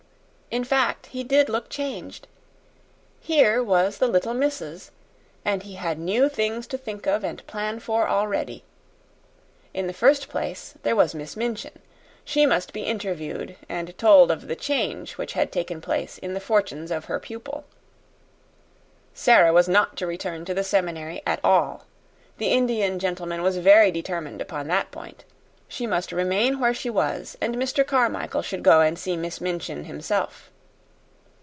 In fact, he did look changed. Here was the "Little Missus," and he had new things to think of and plan for already. In the first place, there was Miss Minchin. She must be interviewed and told of the change which had taken place in the fortunes of her pupil. Sara was not to return to the seminary at all. The Indian gentleman was very determined upon that point. She must remain where she was, and Mr. Carmichael should go and see Miss Minchin himself.